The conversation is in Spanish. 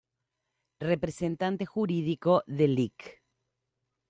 Representante Jurídico del Lic.